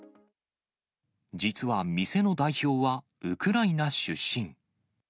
実は、店の代表はウクライナ出身。